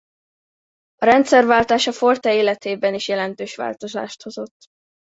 A rendszerváltás a Forte életében is jelentős változást hozott.